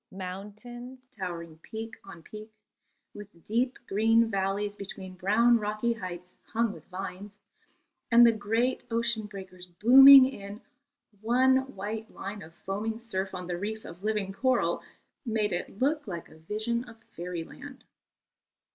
Mountains, towering peak on peak, with deep green valleys between brown rocky heights hung with vines, and the great ocean breakers booming in one white line of foaming surf on the reef of living coral, made it look like a vision of fairyland.